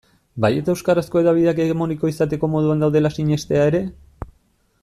Bai eta euskarazko hedabideak hegemoniko izateko moduan daudela sinestea ere?